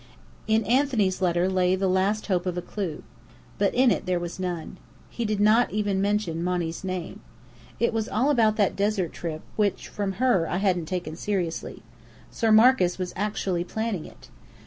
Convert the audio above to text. In Anthony's letter lay my last hope of a clue. But in it there was none. He did not even mention Monny's name. It was all about that "desert trip" which, from her, I hadn't taken seriously. Sir Marcus was actually planning it.